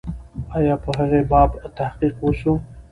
آیا په هغې باب تحقیق و سو؟